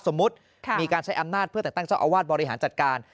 สมมุติมีการใช้อำนาจเพื่อแต่งตั้งเจ้าอาวาสบริหารจัดการ